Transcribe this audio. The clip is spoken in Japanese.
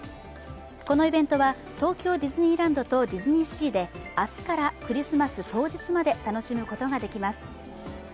このイベントは東京ディズニーランドとディズニーシーで明日からクリスマス当日まで楽しむことができます。